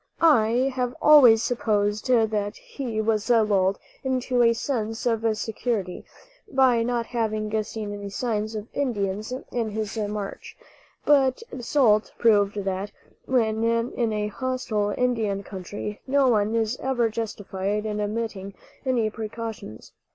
I have always supposed that he was lulled into a sense of security by not having seen any signs of Indians in his march; but the result proved that, when in a hostile Indian country, no one is ever justified in omitting any precautions.